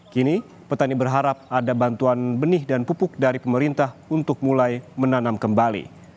kini petani berharap ada bantuan benih dan pupuk dari pemerintah untuk mulai menanam kembali